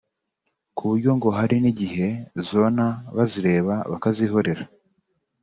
ku buryo ngo hari n’igihe zona bazireba bakazihorera